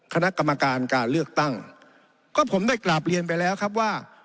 คณะกรรมการการเลือกตั้งก็ผมได้กราบเรียนไปแล้วครับว่า